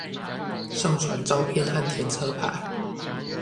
上傳照片和填車牌